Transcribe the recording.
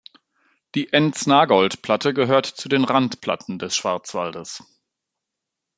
Die Enz-Nagold-Platte gehört zu den Randplatten des Schwarzwaldes.